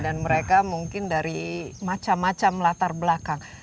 dan mereka mungkin dari macam macam latar belakang